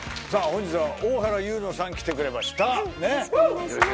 本日は大原優乃さん来てくれました